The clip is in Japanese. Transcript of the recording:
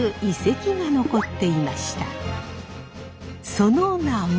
その名も。